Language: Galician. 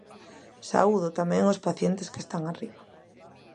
Saúdo tamén os pacientes que están arriba.